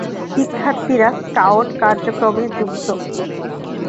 শিক্ষার্থীরা স্কাউট কার্যক্রমে যুক্ত।